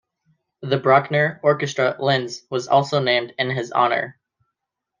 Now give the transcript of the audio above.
The Bruckner Orchestra Linz was also named in his honor.